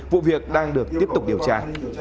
vụ việc đang được tiếp tục điều tra